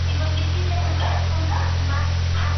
Tradujo obras del latín al catalán y viceversa.